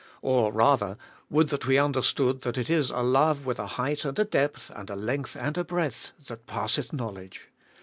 Or rather, would that we under stood that it is a love with a height and a depth and a length and a breadth that passes knowledge!